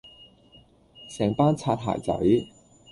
成班擦鞋仔